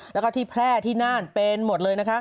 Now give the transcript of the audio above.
และที่แพร่ที่น่านเป็นหมดเลย